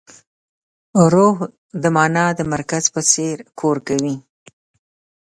روح د مانا د مرکز په څېر کار کوي.